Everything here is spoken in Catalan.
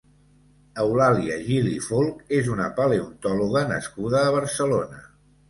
Eulàlia Gili Folch és una paleontòloga nascuda a Barcelona.